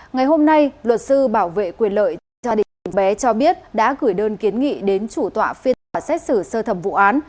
ngày hôm nay luật sư bảo vệ quyền lợi cho gia đình bé cho biết đã gửi đơn kiến nghị đến chủ tọa phiên tòa xét xử sơ thẩm vụ án